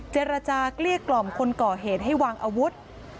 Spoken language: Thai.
เจรจาเกลี้ยกล่อมคนก่อเหตุให้วางอาวุธ